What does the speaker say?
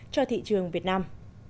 cho thị trường việt nam